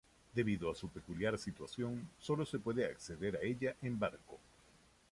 Debido a su peculiar situación, sólo se puede acceder a ella en barco.